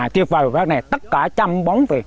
tuyệt vời tất cả trăm bóng